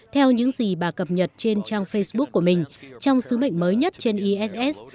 theo những gì bà cập nhật trên trang facebook của mình trong sứ mệnh mới nhất trên iss